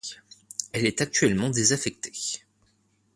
Elle est actuellement désaffectée.